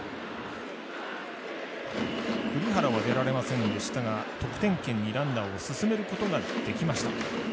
栗原は出られませんでしたが得点圏にランナーを進めることができました。